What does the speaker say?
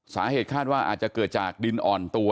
สาเหตุคาดว่าอาจจะเกิดจากดินอ่อนตัว